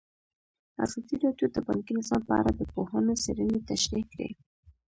ازادي راډیو د بانکي نظام په اړه د پوهانو څېړنې تشریح کړې.